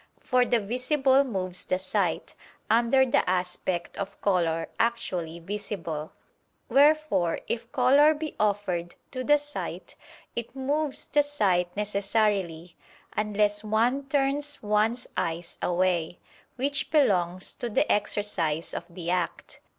For the visible moves the sight, under the aspect of color actually visible. Wherefore if color be offered to the sight, it moves the sight necessarily: unless one turns one's eyes away; which belongs to the exercise of the act.